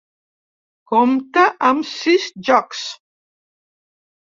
Compta amb sis jocs.